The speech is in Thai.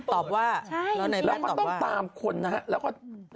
แล้วต้องตามคนนะแล้วก็